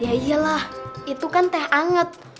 ya iyalah itu kan teh anget